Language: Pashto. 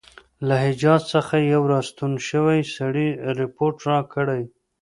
له حجاز څخه یو را ستون شوي سړي رپوټ راکړی.